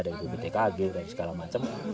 ada bumtkg dan segala macam